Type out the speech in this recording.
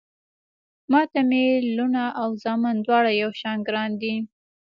ما ته مې لوڼه او زامن دواړه يو شان ګران دي